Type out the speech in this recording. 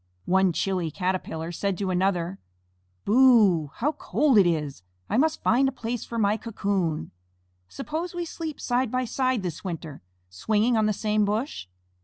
One chilly Caterpillar said to another, "Boo oo! How cold it is! I must find a place for my cocoon. Suppose we sleep side by side this winter, swinging on the same bush?"